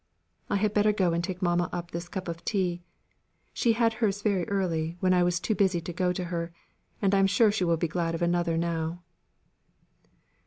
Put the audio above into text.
"I had better go and take mamma up this cup of tea. She had hers very early, when I was too busy to go to her, and I am sure she will be glad of another now."